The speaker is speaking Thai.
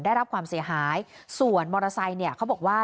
ได้รับความเสียหายส่วนมอเตอร์ไซค์เนี่ยเขาบอกว่า